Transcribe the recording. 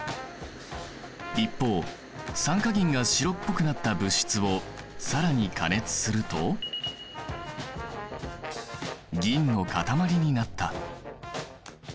一方酸化銀が白っぽくなった物質を更に加熱すると銀の塊になった。